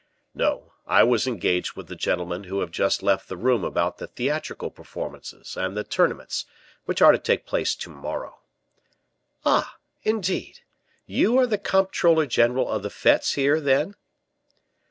"No; I was engaged with the gentlemen who have just left the room about the theatrical performances and the tournaments which are to take place to morrow." "Ah, indeed! you are the comptroller general of the fetes here, then?"